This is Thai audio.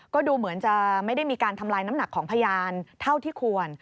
ก็ดูเหมือนจะไม่ได้มีการทำลายน้ำหนักของพยานเท่าที่ควร